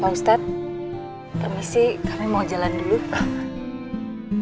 pak ustadz permisi kami mau jalan dulu